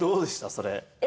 それ。